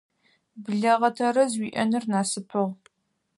Блэгъэ тэрэз уиӏэныр насыпыгъ.